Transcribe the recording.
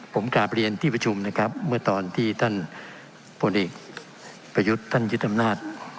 ผมกลับเรียนที่ประชุมนะครับเมื่อตอนที่ท่านพลเอกประยุทธ์ท่านยึดอำนาจ